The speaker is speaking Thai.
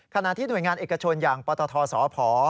ขณะที่หน่วยงานเอกชนอย่างปตทสพ